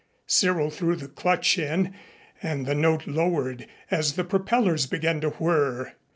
Cyril threw the clutch in and the note lowered as the propellers began to whirr.